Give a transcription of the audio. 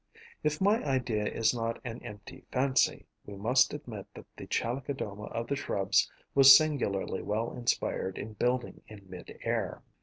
If my idea is not an empty fancy, we must admit that the Chalicodoma of the Shrubs was singularly well inspired in building in mid air.